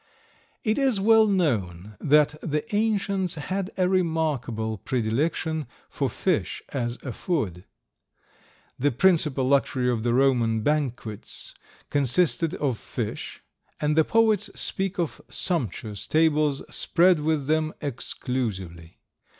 It is well known that the ancients had a remarkable predilection for fish as a food. The principal luxury of the Roman banquets consisted of fish, and the poets speak of sumptuous tables spread with them exclusively.